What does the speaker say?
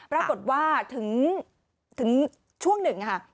ราบบทว่าถึงช่วงหนึ่งนะคะ